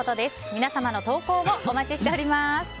皆様の投稿をお待ちしております。